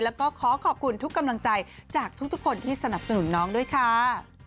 แล้วก็ขอขอบคุณทุกกำลังใจจากทุกคนที่สนับสนุนน้องด้วยค่ะ